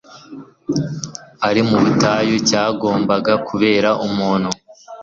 ari mu butayu cyagombaga kubera umuntu